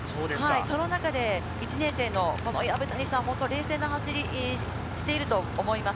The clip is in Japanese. その中で１年生の薮谷さん、冷静な走りをしていると思います。